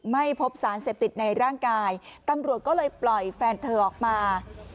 ไม่พบสารเสพติดในร่างกายตำรวจก็เลยปล่อยแฟนเธอออกมา